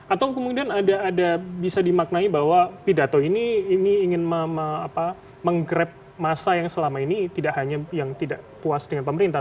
atau kemudian ada bisa dimaknai bahwa pidato ini ingin menggrab masa yang selama ini tidak hanya yang tidak puas dengan pemerintah